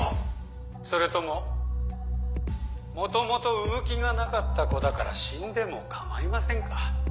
それとも元々生む気がなかった子だから死んでも構いませんか？